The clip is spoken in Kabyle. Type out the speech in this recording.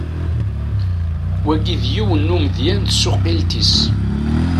Wagi d yiwen n umedya n tsuqqilt-is.